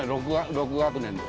６学年で。